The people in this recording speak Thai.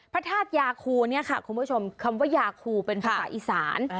พระธาตุยาคูเนี่ยค่ะคุณผู้ชมคำว่ายาคูเป็นภาษาอีสาน